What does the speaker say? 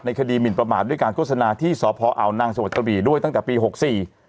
คดีหมินประมาทด้วยการโฆษณาที่สพอาวนางจังหวัดกระบี่ด้วยตั้งแต่ปีหกสี่